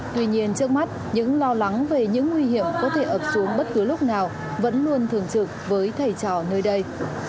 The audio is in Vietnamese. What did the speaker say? tuy nhiên trước mắt những lo lắng về những nguy hiểm có thể ập xuống bất cứ lúc nào vẫn luôn thường trực với thầy trò nơi đây